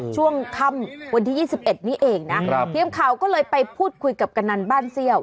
ช่วงค่ำวันที่๒๑นี้เองนะครับทีมข่าวก็เลยไปพูดคุยกับกำนันบ้านเซี่ยว